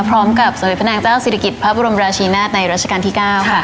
พร้อมกับสมเด็จพระนางเจ้าซีริกิตพระบรมราชินาธิ์ในรัชกาลที่๙ค่ะ